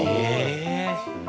え！